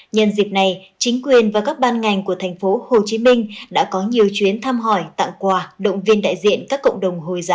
nhân dịp này chính quyền và các ban ngành của thành phố hồ chí minh đã có nhiều chuyến thăm hỏi tặng quà động viên đại diện các cộng đồng hồi giáo trên địa bàn